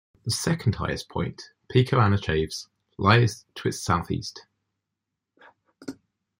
The second highest point, Pico Ana Chaves, lies to its south east.